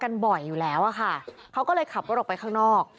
บ่อยอยู่แล้วอะค่ะเขาก็เลยขับรถออกไปข้างนอก